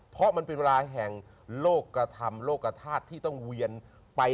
เพราะมันเป็นเวลาแห่งโลกกระทำโลกกระธาตุที่ต้องเวียนไป